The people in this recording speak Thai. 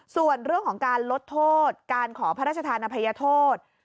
ส่วนเรื่องของการลดโทษการขอพระราชธานอภัยโทษ